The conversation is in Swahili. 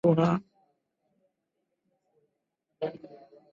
na utamaduni wao Hivyo waliendeleza zaidi lugha